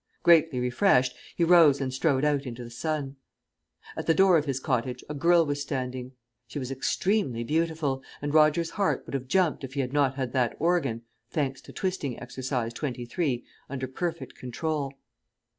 Greatly refreshed, he rose and strode out into the sun. At the door of his cottage a girl was standing. She was extremely beautiful, and Roger's heart would have jumped if he had not had that organ (thanks to Twisting Exercise 23) under perfect control.